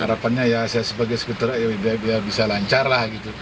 harapannya ya saya sebagai sepeda truk ya bisa lancar lah gitu